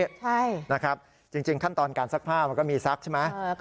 ใช่นะครับจริงขั้นตอนการซักผ้ามันก็มีซักใช่ไหม